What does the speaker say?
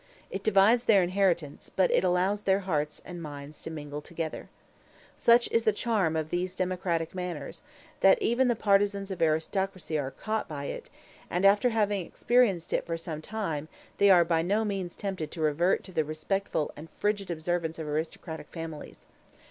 It divides their inheritance, but it allows their hearts and minds to mingle together. Such is the charm of these democratic manners, that even the partisans of aristocracy are caught by it; and after having experienced it for some time, they are by no means tempted to revert to the respectful and frigid observance of aristocratic families.